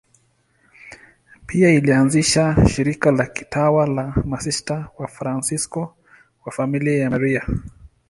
Pia alianzisha shirika la kitawa la Masista Wafransisko wa Familia ya Maria.